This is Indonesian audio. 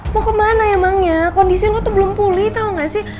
mau kemana emangnya kondisi lo tuh belum pulih tau gak sih